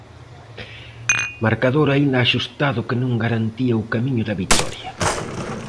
Marcador aínda axustado que non garantía o camiño da vitoria.